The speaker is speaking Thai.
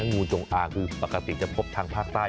งูจงอางคือปกติจะพบทางภาคใต้